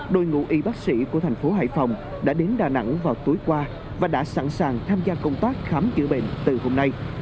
đội ngũ y bác sĩ của thành phố hải phòng đã đến đà nẵng vào tối qua và đã sẵn sàng tham gia công tác khám chữa bệnh từ hôm nay